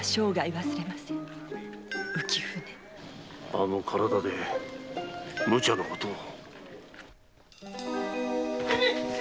あの体でムチャなことを。